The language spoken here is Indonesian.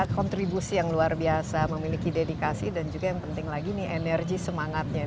kontribusi yang luar biasa memiliki dedikasi dan juga yang penting lagi ini energi semangatnya